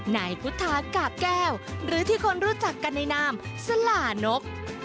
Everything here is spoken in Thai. นายพุทธากาบแก้วหรือที่คนรู้จักกันในนามสลานก